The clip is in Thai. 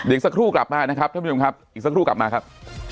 สักครู่กลับมานะครับท่านผู้ชมครับอีกสักครู่กลับมาครับ